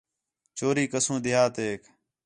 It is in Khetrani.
چوری کسوں دیہاتیک